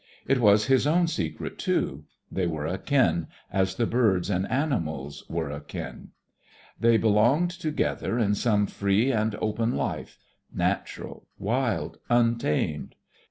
It was his own secret too. They were akin, as the birds and animals were akin. They belonged together in some free and open life, natural, wild, untamed.